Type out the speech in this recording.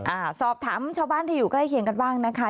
อ่าสอบถามชาวบ้านที่อยู่ใกล้เคียงกันบ้างนะคะ